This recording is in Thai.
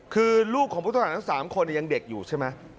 คือลูกของพุทธศาลทั้ง๓คนยังเด็กอยู่ใช่ไหม